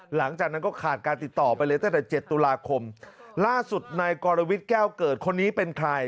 หลังจากนั้นก็ขาดการติดต่อไปเลยตั้งแต่เจ็ดตุลาคมล่าสุดนายกรวิทย์แก้วเกิดคนนี้เป็นใคร